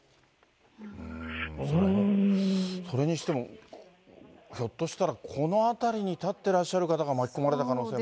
それにしても、ひょっとしたら、この辺りに立ってらっしゃる方が巻き込まれた可能性も。